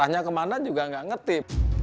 arahnya kemana juga tidak mengerti